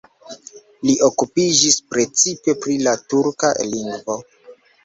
Li okupiĝis precipe pri la turka lingvo.